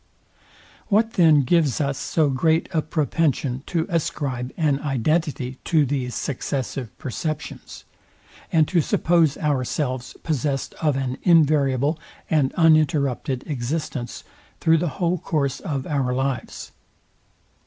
What then gives us so great a propension to ascribe an identity to these successive perceptions, and to suppose ourselves possest of an invariable and uninterrupted existence through the whole course of our lives?